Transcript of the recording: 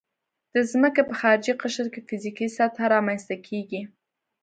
د ځمکې په خارجي قشر کې فزیکي سطحه رامنځته کیږي